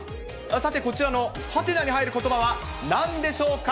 さてこちらのはてなに入ることばはなんでしょうか。